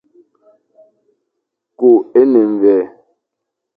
Ku é ne mvè.